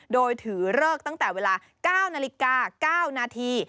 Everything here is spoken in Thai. โดยถือเลิกตั้งแต่เวลา๙นาฬิกา๙นาที